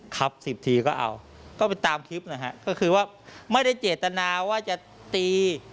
ครับสิบทีก็เอาก็ไปตามคลิปนะฮะก็คือว่าไม่ได้เจตนาว่าจะตี